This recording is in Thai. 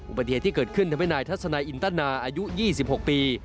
อุบัติเหตุที่เกิดขึ้นทำให้นายทัศนายอินตนาอายุ๒๖ปี